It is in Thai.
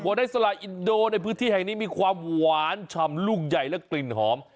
ได้สลายอินโดในพื้นที่แห่งนี้มีความหวานฉ่ำลูกใหญ่และกลิ่นหอม